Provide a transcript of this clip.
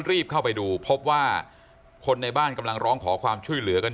รีบเข้าไปดูพบว่าคนในบ้านกำลังร้องขอความช่วยเหลือกัน